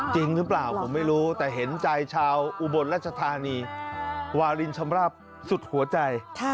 จริงหรือเปล่าผมไม่รู้แต่เห็นใจชาวอุบลรัชธานีวารินชำราบสุดหัวใจ